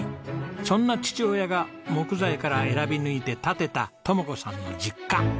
そんな父親が木材から選び抜いて建てた智子さんの実家。